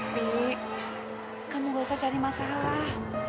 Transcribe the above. bi kamu gak usah cari masalah